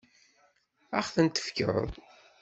Ad ɣ-ten-tefkeḍ?